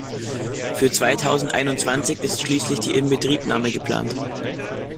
Für zweitausendeinundzwanzig ist schließlich die Inbetriebnahme geplant.